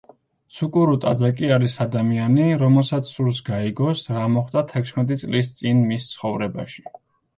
ცუკურუ ტაძაკი არის ადამიანი, რომელსაც სურს გაიგოს, რა მოხდა თექვსმეტი წლის წინ მის ცხოვრებაში.